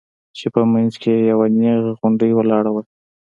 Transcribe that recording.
چې په منځ کښې يې يوه نيغه غونډۍ ولاړه وه.